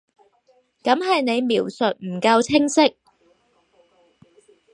噉係你描述唔夠清晰